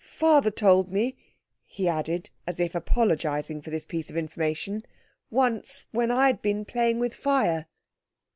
Father told me," he added, as if apologizing for this piece of information, "once when I'd been playing with fire."